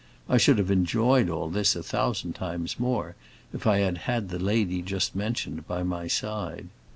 I should have enjoyed all this a thousand times more if I had had the lady just mentioned by my side.